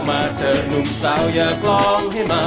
มาเถอะหนุ่มสาวอยากร้องขึ้นมา